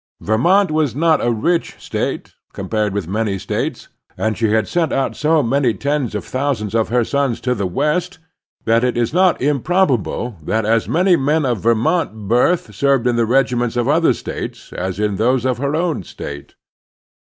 Ver mont was not a rich State, compared with many States, and she had sent out so many tens of thousands of her sons to the West that it is not improbable that as many men of Vermont birth served in the regiments of other States as in those of her own State.